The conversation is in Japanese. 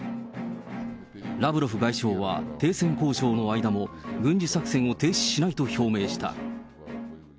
ラブロフ外相は、停戦交渉の間も軍事作戦を停止しないと表明した。